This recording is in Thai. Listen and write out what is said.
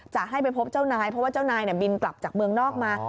จะให้ไปพบเจ้านายเพราะว่าเจ้านายบินกลับจากเมืองนอกมา